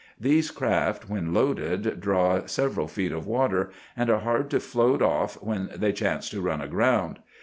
These craft, when loaded, draw several feet of water, and are hard to float off when they chance to run aground.